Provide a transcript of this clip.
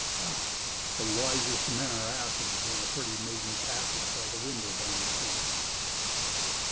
Ah, the wisest men are asses When a pretty maiden passes By the window down the street!